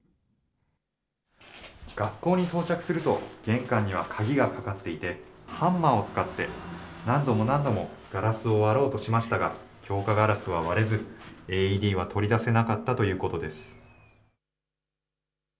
学校に到着すると、玄関には鍵がかかっていて、ハンマーを使って、何度も何度もガラスを割ろうとしましたが、強化ガラスは割れず、ＡＥＤは取り出せなかったということです。